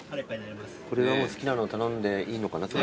これは好きなの頼んでいいのかな？